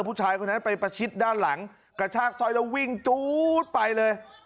ผู้ชายคนนั้นไปประชิดด้านหลังกระชากสร้อยแล้ววิ่งจู๊ดไปเลย